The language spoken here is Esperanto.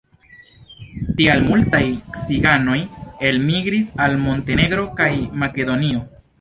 Tial multaj ciganoj elmigris al Montenegro kaj Makedonio.